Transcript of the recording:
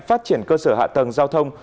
phát triển cơ sở hạ tầng giao thông